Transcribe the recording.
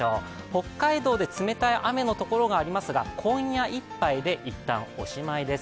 北海道で冷たい雨のところがありますが今夜いっぱいでいったんおしまいです。